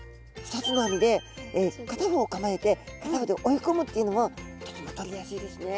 ２つの網で片方構えて片方で追いこむというのもとてもとりやすいですね。